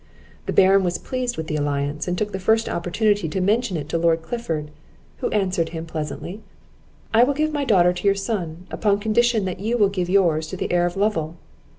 The Baron was pleased with the alliance, and took the first opportunity to mention it to Lord Clifford; who answered him, pleasantly: "I will give my daughter to your son, upon condition that you will give yours to the Heir of Lovel."